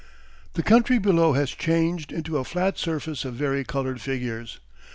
The country below has changed into a flat surface of varicoloured figures.